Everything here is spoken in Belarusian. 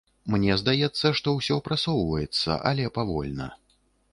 Мне здаецца, што ўсё прасоўваецца, але павольна.